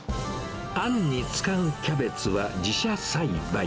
あんに使うキャベツは自社栽培。